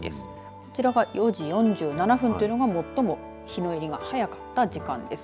こちらが４時４７分というのが最も日の入りが早かった時間です。